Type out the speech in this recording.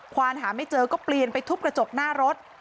ความหาไม่เจอก็เปลี่ยนไปทุบกระจกหน้ารถ